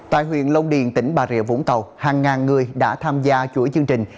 tại huyện long điền tỉnh bà rịa vũng tàu hàng ngàn người đã tham gia chuỗi chương trình